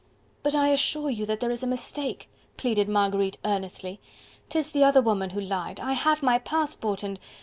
"But I assure you that there is a mistake," pleaded Marguerite earnestly, "'Tis the other woman who lied, I have my passport and..."